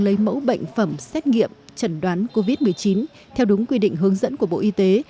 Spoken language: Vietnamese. lấy mẫu bệnh phẩm xét nghiệm chẩn đoán covid một mươi chín theo đúng quy định hướng dẫn của bộ y tế